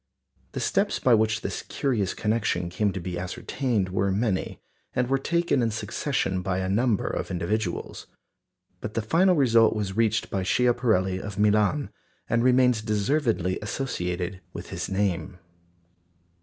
The steps by which this curious connection came to be ascertained were many, and were taken in succession by a number of individuals. But the final result was reached by Schiaparelli of Milan, and remains deservedly associated with his name.